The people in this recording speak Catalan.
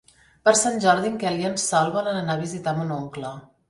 Per Sant Jordi en Quel i en Sol volen anar a visitar mon oncle.